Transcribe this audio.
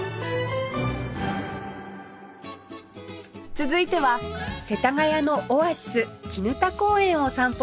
続いては世田谷のオアシス砧公園を散歩します